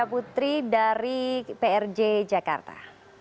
terima kasih ria putri dari prj jakarta